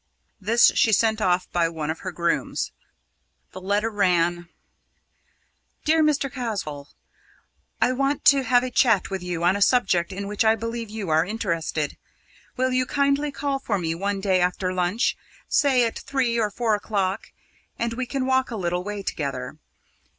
This she sent off by one of her grooms. The letter ran: "DEAR MR. CASWALL, "I want to have a chat with you on a subject in which I believe you are interested. Will you kindly call for me one day after lunch say at three or four o'clock, and we can walk a little way together.